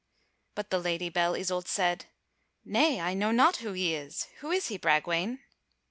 But the Lady Belle Isoult said: "Nay, I know not who he is. Who is he, Bragwaine?"